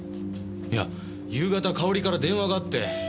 いや夕方かおりから電話があって。